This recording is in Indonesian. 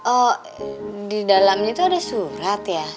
oh di dalamnya itu ada surat ya